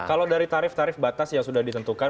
kalau dari tarif tarif batas yang sudah ditentukan